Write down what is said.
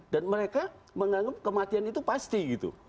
dan mereka menganggap kematian itu pasti gitu